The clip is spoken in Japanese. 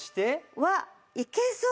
うわっいけそう！